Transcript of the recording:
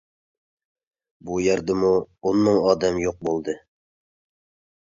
بۇ يەردىمۇ ئون مىڭ ئادەم يوق بولدى.